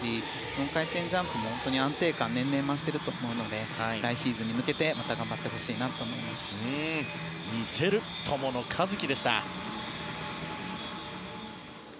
４回転ジャンプも本当に安定感が年々増していると思うので来シーズンに向けてまた頑張ってほしいなと見せる友野一希でした。